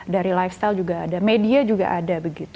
dari lifestyle juga ada media juga ada